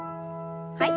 はい。